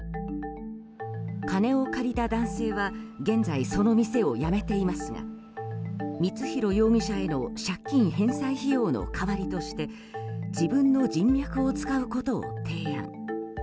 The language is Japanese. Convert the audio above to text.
金を借りた男性は現在、その店を辞めていますが光弘容疑者への借金返済費用の代わりとして自分の人脈を使うことを提案。